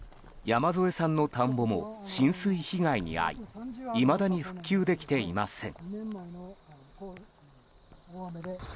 山添さんの田んぼも浸水被害に遭いいまだに復旧できていません。